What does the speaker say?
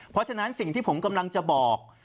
เพราะฉะนั้นสิ่งที่ผมกำลังจะบอก